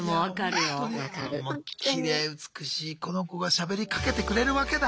きれい美しいこの子がしゃべりかけてくれるわけだ。